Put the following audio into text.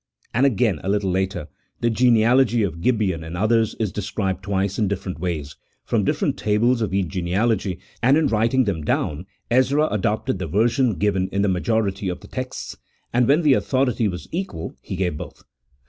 And, again, a little later :" The genealogy of Gibeon and others is described twice in different ways, from different tables of each genealogy, and in writing them down Ezra adopted the version given in the majority of the texts, and when the authority was equal he gave both."